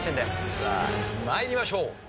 さあ参りましょう。